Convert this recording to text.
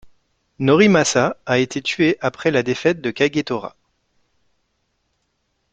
Norimasa a été tué après la défaite de Kagetora.